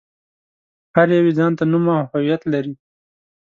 هر يو يې ځان ته نوم او هويت لري.